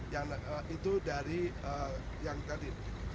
yang itu dari yang tadi